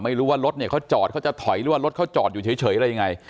ไม่รู้ว่ารถเนี่ยเขาจอดเขาจะถอยหรือว่ารถเขาจอดอยู่เฉยอะไรยังไง